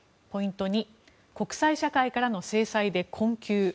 ポイント２国際社会からの制裁で困窮。